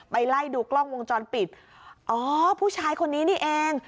ไล่ดูกล้องวงจรปิดอ๋อผู้ชายคนนี้นี่เอง